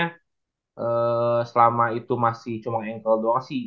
learn selama itu masih cuma enkel doang sih